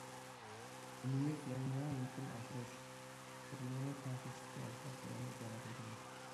ئۈنۈملۈك سېلىنمىنىڭ مۇقىم ئاشۇرۇش، قۇرۇلمىنى تەڭشەشتىكى ھالقىلىق رولىنى جارى قىلدۇرىمىز.